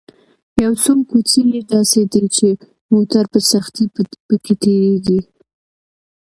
یو څو کوڅې یې داسې دي چې موټر په سختۍ په کې تېرېږي.